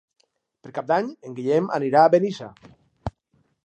Per Cap d'Any en Guillem anirà a Benissa.